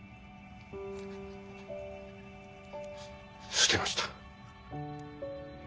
捨てました。